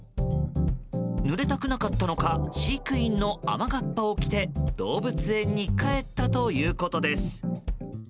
ぬれたくなかったのか飼育員の雨がっぱを着て動物園に帰ったということです。